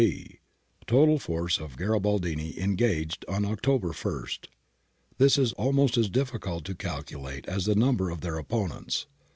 {b) Total Force of Garibaldini Engaged on October i This is almost as difficult to calculate as the number of their opponents.